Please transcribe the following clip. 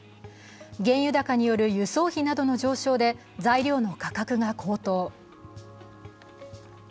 原油高による輸送費などの上昇で材料の価格が高騰。